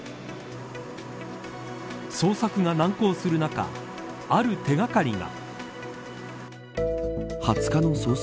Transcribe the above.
捜索が難航する中ある手掛かりが。